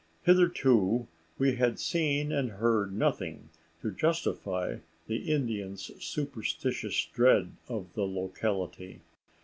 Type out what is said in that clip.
Hitherto we had seen and heard nothing to justify the Indians' superstitious dread of the locality.